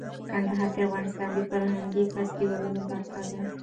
کندهار د افغانستان د فرهنګي فستیوالونو برخه ده.